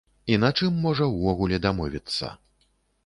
І на чым можа ўвогуле дамовіцца.